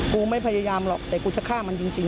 กูไม่พยายามหรอกแต่กูจะฆ่ามันจริง